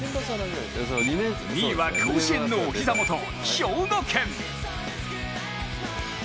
２位は甲子園のお膝元・兵庫県。